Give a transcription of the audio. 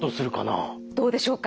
どうでしょうか。